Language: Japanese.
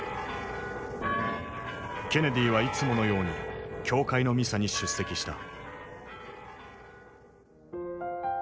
ケネディはいつものように教会のミサに出席した。